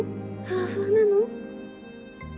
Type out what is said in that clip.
フワフワなの？」